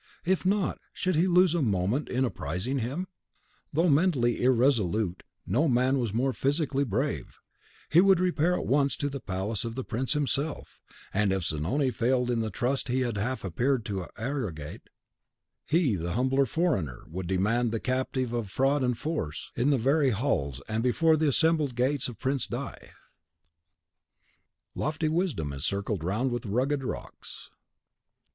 If not, should he lose a moment in apprising him? Though mentally irresolute, no man was more physically brave. He would repair at once to the palace of the prince himself; and if Zanoni failed in the trust he had half appeared to arrogate, he, the humble foreigner, would demand the captive of fraud and force, in the very halls and before the assembled guests of the Prince di . CHAPTER 3.XVI. Ardua vallatur duris sapientia scrupis. Hadr. Jun., "Emblem." xxxvii. (Lofty wisdom is circled round with rugged rocks.)